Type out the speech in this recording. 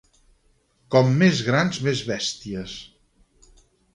Com més grans, més bèsties.